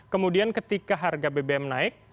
kemudian ketika harga bbm naik